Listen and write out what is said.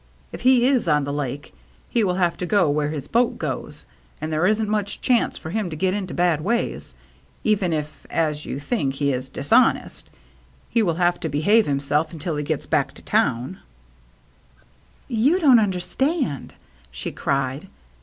" If he is on the Lake, he will have to go where his boat goes, and there isn't much chance for him to get into bad ways. Even if, as you i6o THE MERRT ANNE think, he is dishonest, he will have to behav« himself until he gets back to town/' " You don't understand," she cried.